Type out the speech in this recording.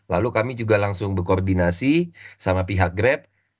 lalu kami juga langsung berkoordinasi sama pihak grab